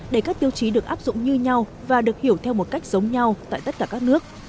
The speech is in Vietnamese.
để các tiêu chí được áp dụng như nhau và được hiểu theo một cách giống nhau tại tất cả các nước